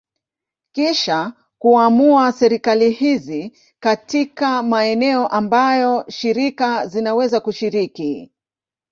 Kisha kuamua serikali hizi katika maeneo ambayo shirika zinaweza kushiriki.